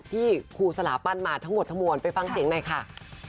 ที่ครูสลาปั้นมาทั้งหมดทั้งมวลไปฟังเสียงหน่อยค่ะ